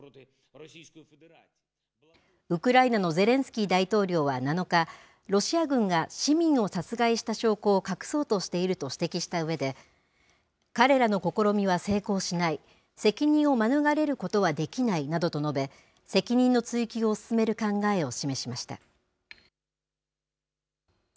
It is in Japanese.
ウクライナのゼレンスキー大統領は７日、ロシア軍が市民を殺害した証拠を隠そうとしていると指摘したうえで、彼らの試みは成功しない、責任を免れることはできないなどと述べ、責任の追及を進める考えを示しました。